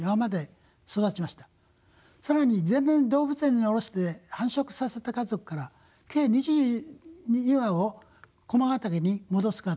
更に前年動物園に降ろして繁殖させた家族から計２２羽を駒ヶ岳に戻すことができました。